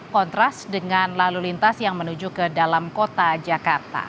kontras dengan lalu lintas yang menuju ke dalam kota jakarta